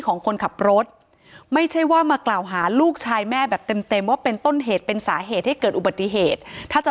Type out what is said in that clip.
ของคนขับรถไม่ใช่ว่ามากล่าวหาลูกชายแม่แบบเต็มเต็มว่าเป็นต้นเหตุเป็นสาเหตุให้เกิดอุบัติเหตุถ้าจะ